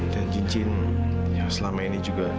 dan cincin yang selama ini juga